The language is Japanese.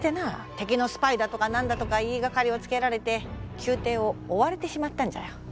敵のスパイだとか何だとか言いがかりをつけられて宮廷を追われてしまったんじゃよ。